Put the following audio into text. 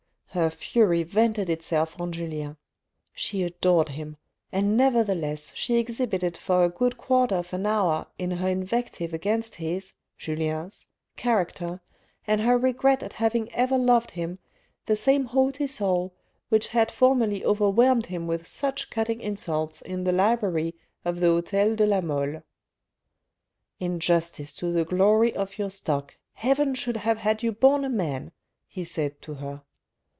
Her fury vented itself on Julien. She adored him, and nevertheless she exhibited for a good quarter of an hour in her invective against his, Julien's, THE RED AND THE BLACK 505 character, and her regret at having ever loved him, the same haughty soul which had formerly overwhelmed him with such cutting insults in the library of the hotel de la Mole. " In justice to the glory of your stock, Heaven should have had you born a man," he said to her.